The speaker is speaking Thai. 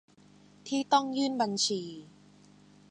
ที่ต้องยื่นบัญชี